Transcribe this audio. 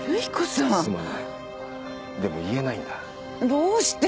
どうして？